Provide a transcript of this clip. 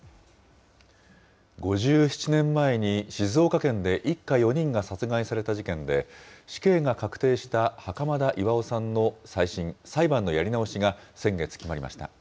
５７年前に静岡県で一家４人が殺害された事件で、死刑が確定した袴田巌さんの再審・裁判のやり直しが先月決まりました。